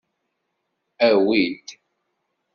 Awi-d!